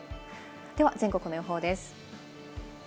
では全国の予報です。